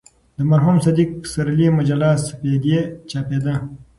د مرحوم صدیق پسرلي مجله "سپېدې" چاپېده.